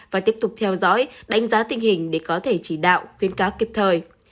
và tiếp tục theo dõi đánh giá tình hình để có thể chỉ đạo khuyến cáo kịp thời